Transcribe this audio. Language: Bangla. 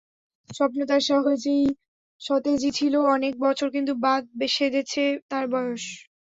স্বপ্ন তার সতেজই ছিল অনেক বছর, কিন্তু বাঁধ সেধেছে তার বয়স।